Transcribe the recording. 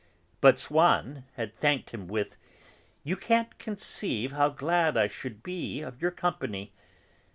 But Swann had thanked him with: "You can't conceive how glad I should be of your company.